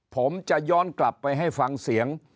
ผมจะย้อนกลับไปให้ฟังเสียง